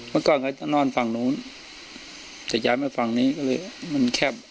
แล้วกลอนแต่นอนฝั่งโน้นแต่ย้ายมาฝั่งนี้เลยมันแคบ